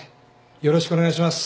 よろしくお願いします。